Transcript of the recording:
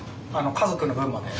家族の分まで。